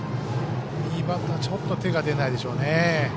右バッターはちょっと手が出ないでしょうね。